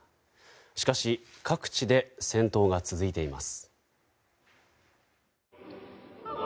しかし各地で戦闘が続いています。